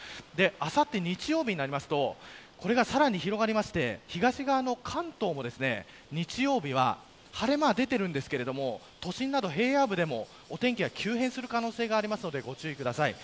あさって日曜日になりますとさらに広がって東側の関東も日曜日は晴れ間が出てはいますが都心など平野部でもお天気が急変する可能性がありますのでご注意ください。